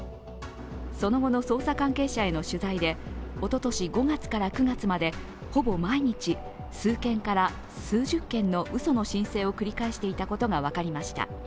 その後の捜査関係者への取材でとととし５月から９月での間でほぼ毎日、数件から数十件のうその申請を繰り返していたことが分かりました。